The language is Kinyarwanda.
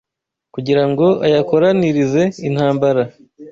kugirango ayakoranirize intambara,